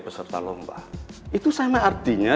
peserta lomba itu sama artinya